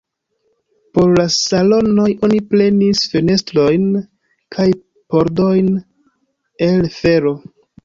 Por la salonoj oni prenis fenestrojn kaj pordojn el fero.